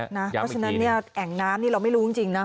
เพราะฉะนั้นแอ่งน้ำนี่เราไม่รู้จริงนะ